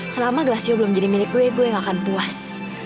selama glasio belum jadi milik gue gue yang akan puas